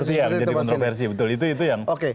ya seperti yang menjadi kontroversi betul itu yang